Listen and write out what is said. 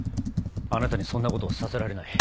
あなたにそんなことをさせられない。